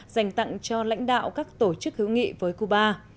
dành tặng cho lãnh đạo các tổ chức hữu nghị với cuba